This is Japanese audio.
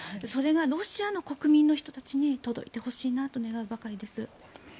それがロシアの国民の人たちに届いてほしいなと願うばかりです。